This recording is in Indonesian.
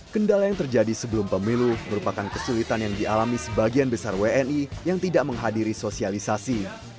kendala yang terjadi sebelum pemilu merupakan kesulitan yang dialami sebagian besar wni yang tidak menghadiri sosialisasi